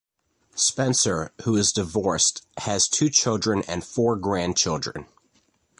Spencer, who is divorced, has two children and four grandchildren.